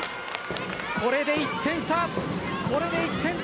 これで１点差。